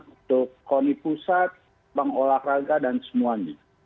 untuk koni pusat bank olahraga dan semuanya